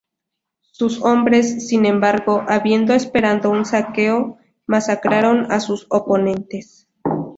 Sus hombres, sin embargo, habiendo esperando un saqueo, masacraron a sus oponentes.